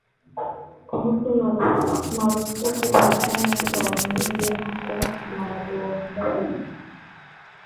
kuhusu marufuku kwa chama cha wananchi huko Marondera